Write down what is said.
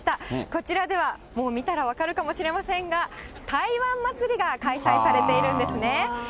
こちらでは、もう見たら分かるかもしれませんが、台湾祭が開催されているんですね。